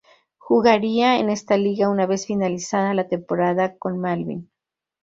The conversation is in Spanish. Jugaría en esta liga una vez finalizada la temporada con Malvín.